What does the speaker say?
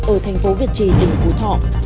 ở thành phố việt trì tỉnh phú thọ